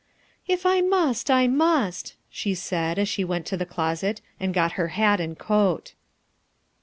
" If I must, I must," she said as she went to the closet and got her hat and coat.